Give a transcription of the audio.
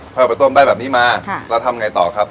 เอาไปต้มได้แบบนี้มาแล้วทำไงต่อครับ